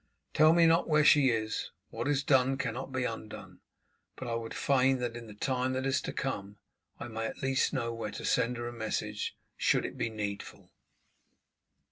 Tell me not where she is. What is done cannot be undone, but I would fain that, in the time that is to come, I may at least know where to send her a message should it be needful."